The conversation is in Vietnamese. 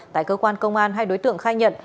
tại cơ quan công an hai đối tượng khai nhận